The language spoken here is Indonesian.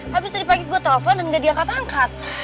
habis tadi pagi gue telfon dan udah diangkat angkat